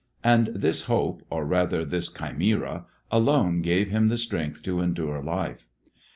And this hope, or rather this chimera, alone gave him the strength to endure life.